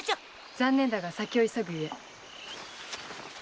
残念だが先を急ぐゆえ。